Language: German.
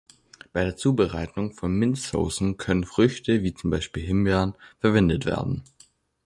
Bei der Zubereitung von Minzsaucen können Früchte, wie z.B. Himbeeren, verwendet werden.